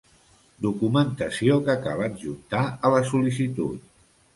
Documentació que cal adjuntar a la sol·licitud.